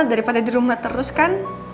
daripada di rumah terus kan